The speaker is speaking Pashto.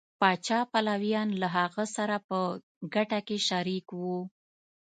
پاچا پلویان له هغه سره په ګټه کې شریک وو.